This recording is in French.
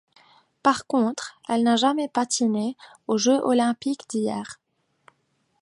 Par contre, elle n'a jamais patiné aux Jeux olympiques d'hiver.